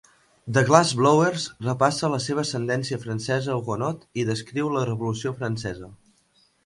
The Glass-Blowers repassa la seva ascendència francesa hugonot i descriu la Revolució Francesa.